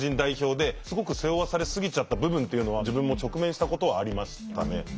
すごく背負わされすぎちゃった部分っていうのは自分も直面したことはありましたね。